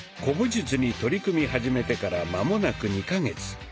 古武術に取り組み始めてからまもなく２か月。